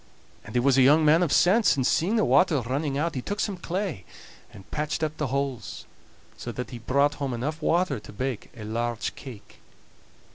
And he was a young man of sense, and seeing the water running out, he took some clay and patched up the holes, so that he brought home enough water to bake a large cake.